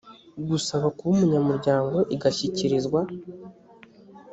gusaba kuba umunyamuryango igashyikirizwa